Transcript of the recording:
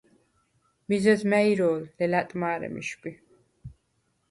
მიზეზ მა̈ჲ ირო̄ლ, ლელა̈ტ მა̄რე მიშგვი!